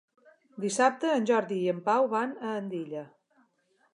Dissabte en Jordi i en Pau van a Andilla.